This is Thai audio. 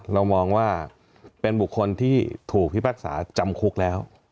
เรามองว่าเป็นบุคคลที่ถูกพิพากษาจำคุกแล้ว